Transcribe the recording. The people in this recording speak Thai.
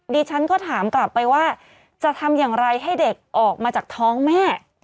ดิฉันก็ถามกลับไปว่าจะทำอย่างไรให้เด็กออกมาจากท้องแม่